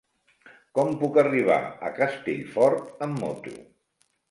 Com puc arribar a Castellfort amb moto?